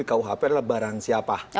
kalau menggunakan hp itu adalah barang siapa